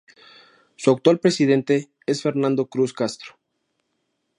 Su actual presidente es Fernando Cruz Castro.